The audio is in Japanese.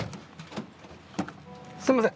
すんません。